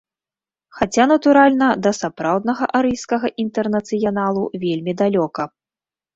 Хаця, натуральна, да сапраўднага арыйскага інтэрнацыяналу вельмі далёка.